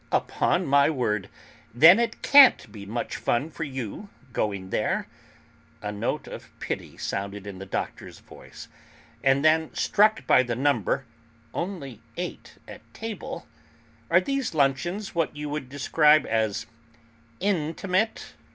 "Upon my word! Then it can't be much fun for you, going there." A note of pity sounded in the Doctor's voice; and then struck by the number only eight at table "Are these luncheons what you would describe as 'intimate'?"